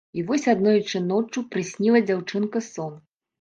І вось аднойчы ноччу прысніла дзяўчынка сон.